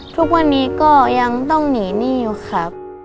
ทุกวันนี้ก็ยังต้องหนีหนี้อยู่ครับ